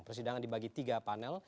persidangan dibagi tiga panel